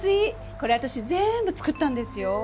これ私全部作ったんですよ。